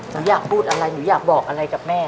หนูอยากพูดอะไรหนูอยากบอกอะไรกับแม่